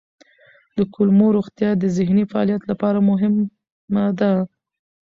د کولمو روغتیا د ذهني فعالیت لپاره مهمه ده.